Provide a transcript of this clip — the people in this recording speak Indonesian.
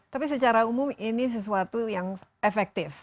tapi secara umum ini sesuatu yang efektif